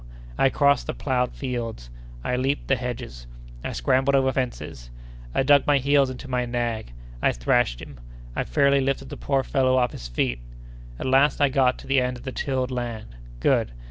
I crossed the ploughed fields; I leaped the hedges; I scrambled over the fences; I dug my heels into my nag; I thrashed him; I fairly lifted the poor fellow off his feet! At last I got to the end of the tilled land. Good!